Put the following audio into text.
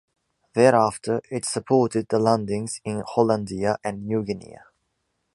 Thereafter, it supported the landings in Hollandia and New Guinea.